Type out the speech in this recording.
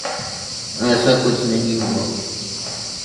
ایساکچھ نہیں ہوا۔